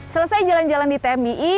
selesai jalan jalan di tmii